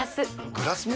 グラスも？